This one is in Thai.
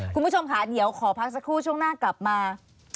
คุณผู้ชมค่ะเดี๋ยวขอพักสักครู่ช่วงหน้ากลับมา